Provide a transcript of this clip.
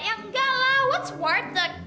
ya enggak lah what's warteg